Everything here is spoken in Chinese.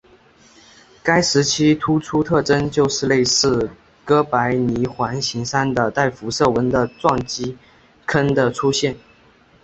该时期的突出特征就是类似哥白尼环形山的带辐射纹的撞击坑的出现。